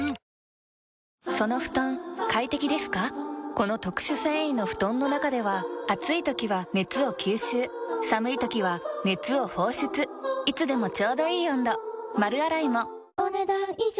この特殊繊維の布団の中では暑い時は熱を吸収寒い時は熱を放出いつでもちょうどいい温度丸洗いもお、ねだん以上。